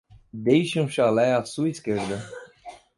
Deixe um chalé à sua esquerda.